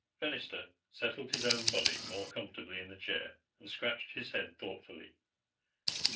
Fennister settled his own body more comfortably in the chair and scratched his head thoughtfully.